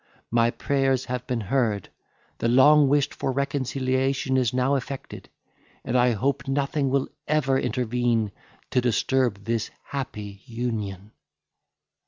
My prayers have been heard, the long wished for reconciliation is now effected, and I hope nothing will ever intervene to disturb this happy union."